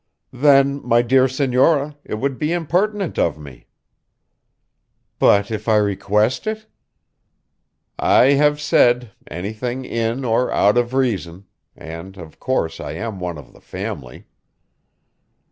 "Then, my dear senora, it would be impertinent of me." "But if I request it?" "I have said anything in or out of reason. And, of course, I am one of the family."